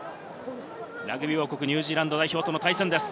ラグビー王国ニュージーランド代表との対戦です。